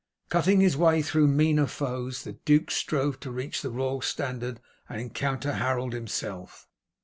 Cutting his way through meaner foes the duke strove to reach the royal standard and encounter Harold himself.